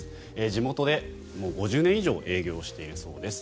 地元で５０年以上営業をしているそうです。